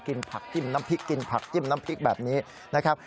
กินผักจิ้มน้ำพริกแบบนี้นะครับ